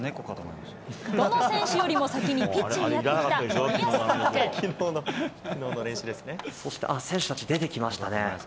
どの選手よりも先にピッチにそして、選手たち、出てきましたね。